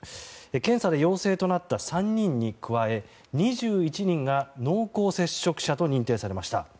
検査で陽性となった３人に加え２１人が濃厚接触者と認定されました。